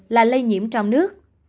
là lây nhiễm trong nước